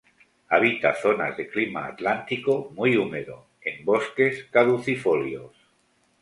Habita zonas de clima atlántico muy húmedo, en bosques caducifolios.